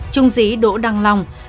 trung sĩ đỗ đăng long